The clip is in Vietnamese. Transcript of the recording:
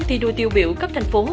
thi đua tiêu biểu cấp thành phố